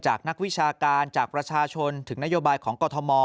นักวิชาการจากประชาชนถึงนโยบายของกรทม